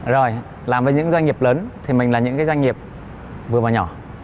rồi làm với những doanh nghiệp lớn thì mình là những cái doanh nghiệp vừa và nhỏ